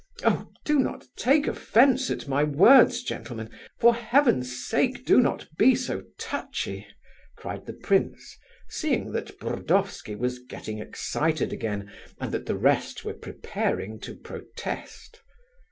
Oh! do not take offence at my words, gentlemen, for Heaven's sake do not be so touchy!" cried the prince, seeing that Burdovsky was getting excited again, and that the rest were preparing to protest.